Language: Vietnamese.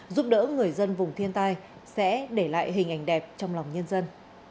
giúp đỡ người dân vùng thiên tai sẽ để lại hình ảnh đẹp trong lòng nhân dân